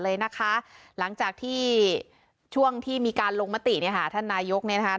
เลยนะคะหลังจากที่ช่วงที่มีการลงมติเนี่ยค่ะท่านนายกเนี่ยนะคะ